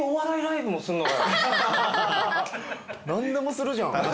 何でもするじゃん。